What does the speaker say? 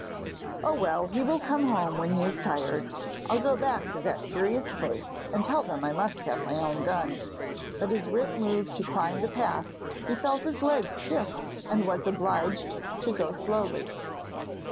'Oh, well! he will come home when he is tired. I'll go back to that curious place, and tell them I must have my own gun.' But as Rip moved to climb the path he felt his legs stiff, and was obliged to go slowly.